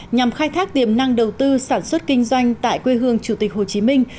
nhằm khai thác tiềm năng đầu tư sản xuất kinh doanh tại quê hương chủ tịch hồ chí minh